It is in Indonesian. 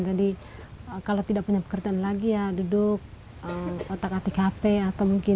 jadi kalau tidak punya pekerjaan lagi ya duduk otak atik hp atau mungkin